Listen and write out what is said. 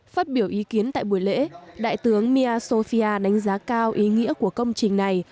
phát biểu ý kiến tại buổi lễ đại tướng miasofia đánh giá cao ý nghĩa của công trình này